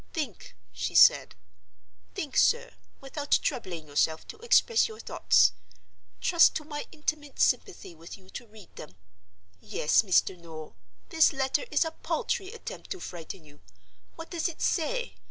"Think," she said; "think, sir, without troubling yourself to express your thoughts. Trust to my intimate sympathy with you to read them. Yes, Mr. Noel, this letter is a paltry attempt to frighten you. What does it say?